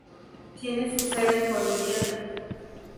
Tiene su sede en Columbiana.